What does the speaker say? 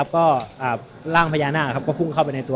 ก็ร่างพญานาคก็พุ่งเข้าไปในตัว